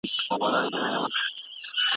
د تیزس مسؤلیت په لارښود استاد باندې نه دی.